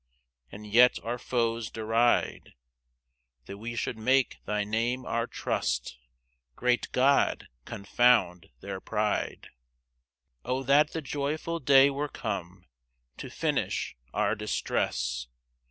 And yet our foes deride, That we should make thy name our trust; Great God, confound their pride. 4 O that the joyful day were come To finish our distress!